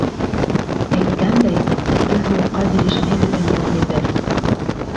Әйткәндәй, киске һыуыҡҡа бирешмәй беҙҙең яугирҙәр.